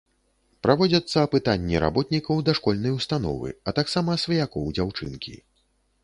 Праводзяцца апытанні работнікаў дашкольнай установы, а таксама сваякоў дзяўчынкі.